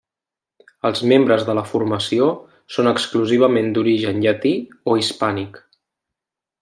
Els membres de la formació són exclusivament d'origen llatí o hispànic.